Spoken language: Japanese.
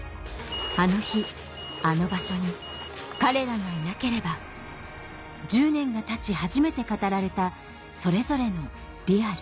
あの日あの場所に彼らがいなければ１０年がたち初めて語られたそれぞれの「リアル」